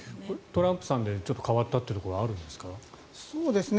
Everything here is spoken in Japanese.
トランプさんで変わったというところがあるんですか？